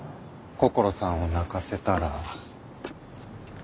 こころさんを泣かせたら。